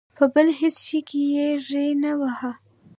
په بل هېڅ شي کې یې ری نه واهه.